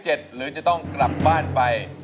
หรือจะต้องกลับบ้านไป